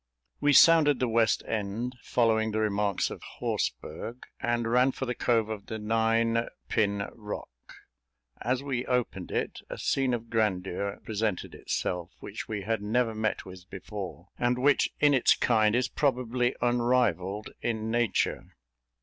We sounded the west end, following the remarks of Horseberg, and ran for the cove of the Nine Pin Rock. As we opened it, a scene of grandeur presented itself, which we had never met with before, and which in its kind is probably unrivalled in nature.